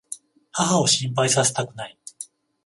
母を心配させたくない。